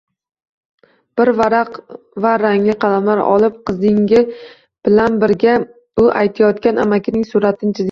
Bir varaq va rangli qalamlar olib, qizingi bilan birga u aytayotgan amakining suratini chizing.